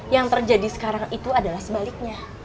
yang terjadi sekarang itu adalah sebaliknya